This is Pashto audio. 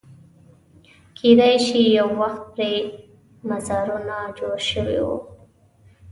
کېدای شي یو وخت پرې مزارونه جوړ شوي وو.